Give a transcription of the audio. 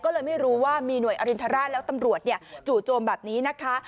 ก็เลยไม่รู้ว่ามีหน่วยอรินทราชแล้วตำรวจจู่โจมแบบนี้นะคะ